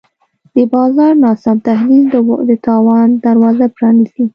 د بازار ناسم تحلیل د تاوان دروازه پرانیزي.